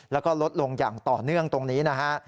แล้วก็ลดลงอย่างต่อเนื่องตรงนี้นะฮะ